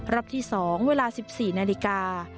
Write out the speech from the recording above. รอบที่๒เวลา๑๔นาฬิกา